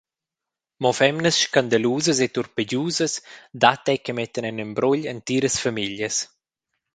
Mo femnas scandalusas e turpegiusas dat ei che mettan en embrugl entiras famiglias.